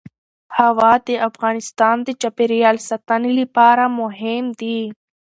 هوا د افغانستان د چاپیریال ساتنې لپاره مهم دي.